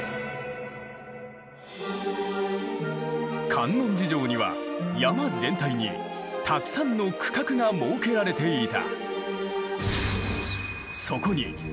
観音寺城には山全体にたくさんの区画が設けられていた。